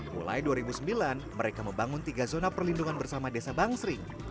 mulai dua ribu sembilan mereka membangun tiga zona perlindungan bersama desa bangsering